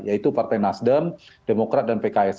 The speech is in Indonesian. yaitu partai nasdem demokrat dan pks